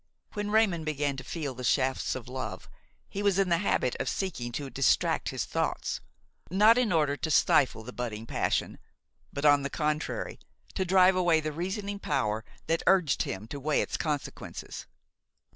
When Raymon began to feel the shafts of love he was in the habit of seeking to distract his thoughts, not in order to stifle the budding passion, but, on the contrary, to drive away the reasoning power that urged him to weigh its consequences.